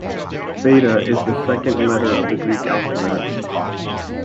Beta is the second letter of the Greek alphabet.